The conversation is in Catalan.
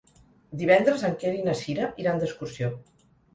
Divendres en Quer i na Cira iran d'excursió.